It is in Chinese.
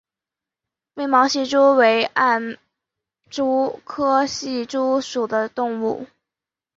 被毛隙蛛为暗蛛科隙蛛属的动物。